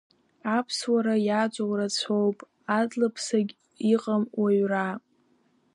Аԥсуара иаҵоу рацәоуп, адлаԥсагь иҟам уаҩра.